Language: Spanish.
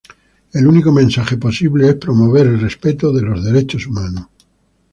El único mensaje posible es promover el respeto por los Derechos Humanos.